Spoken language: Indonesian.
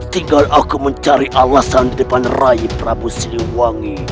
tinggal aku mencari alasan di depan raih prabu siluwangi